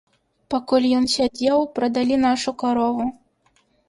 Пакуль ён сядзеў, прадалі нашу карову.